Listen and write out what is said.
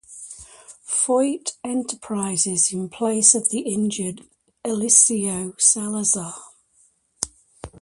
Foyt Enterprises in place of the injured Eliseo Salazar.